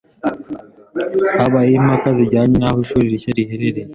Habayeho impaka zijyanye n'aho ishuri rishya riherereye.